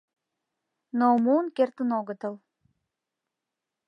Но муын кертын огытыл.